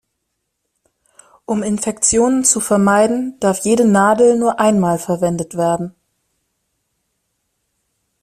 Um Infektionen zu vermeiden, darf jede Nadel nur einmal verwendet werden.